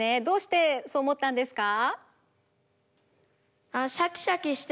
どうしてそう思ったんですか？